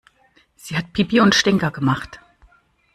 Sie hat Pipi und Stinker gemacht.